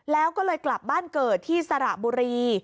แล้วก็เลยกลับบ้านเกิดที่สระบุรี